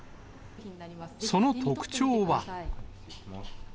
その特徴は。